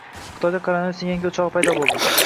Xitoyda koronavirusning yangi o‘chog‘i paydo bo‘lding